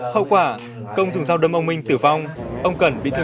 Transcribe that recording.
hậu quả công dùng dao đâm ông minh tử vong